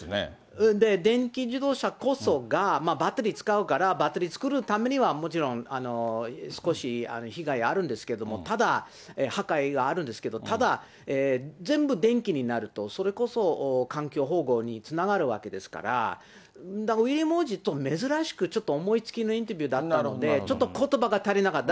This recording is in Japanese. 電気自動車こそが、バッテリー使うから、バッテリー作るためにはもちろん少し被害あるんですけども、ただ破壊があるんですけど、ただ、全部電気になると、それこそ環境保護につながるわけですから、ウィリアム王子と珍しく、思いつきのインタビューだったんで、ちょっとことばが足りなかった。